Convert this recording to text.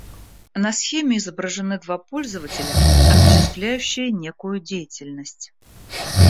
На схеме изображены два пользователя, осуществляющие некую деятельность